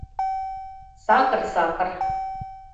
Сакыр-сакыр...